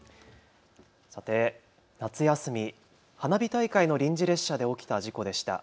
夏休み、花火大会の臨時列車で起きた事故でした。